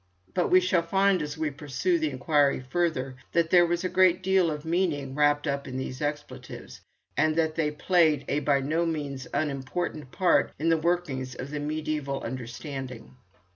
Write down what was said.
But we shall find as we pursue the inquiry further, that there was a great deal of meaning wrapped up in these expletives, and that they played a by no means unimportant part in the workings of the mediæval understanding.